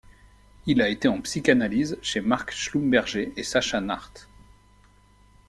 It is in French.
Il a été en psychanalyse chez Marc Schlumberger et Sacha Nacht.